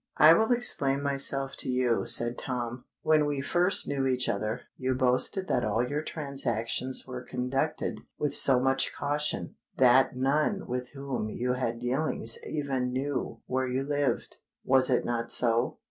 "I will explain myself to you," said Tom. "When we first knew each other, you boasted that all your transactions were conducted with so much caution, that none with whom you had dealings even knew where you lived. Was it not so?"